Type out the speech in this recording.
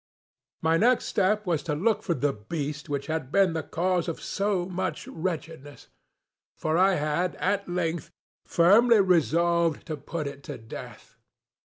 ŌĆØ My next step was to look for the beast which had been the cause of so much wretchedness; for I had, at length, firmly resolved to put it to death.